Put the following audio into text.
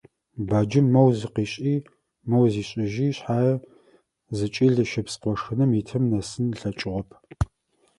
Баджэм моу зыкъишӀи, моу зишӀыжьи шъхьае, зыкӀи лыщыпс къошыным итым нэсын ылъэкӀыгъэп.